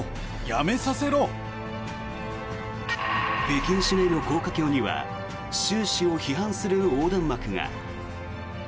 北京市内の高架橋には習氏を批判する横断幕が。